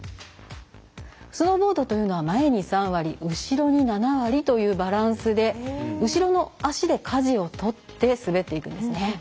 スノーボードというのは前に３割、後ろに７割というバランスで後ろの足で、かじを取って滑っていくんですね。